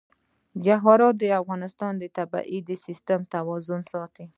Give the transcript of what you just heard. جواهرات د افغانستان د طبعي سیسټم توازن ساتي.